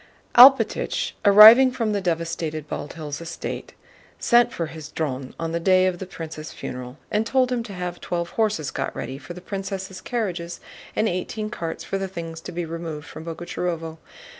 Alpátych, arriving from the devastated Bald Hills estate, sent for his Dron on the day of the prince's funeral and told him to have twelve horses got ready for the princess' carriages and eighteen carts for the things to be removed from Boguchárovo.